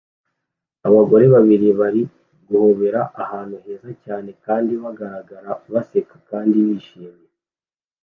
Abagore babiri barimo guhobera ahantu heza cyane kandi bagaragara baseka kandi bishimisha